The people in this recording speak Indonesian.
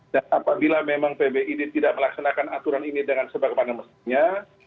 dan apabila memang pbid tidak melaksanakan aturan ini dengan sebagaimana mestinya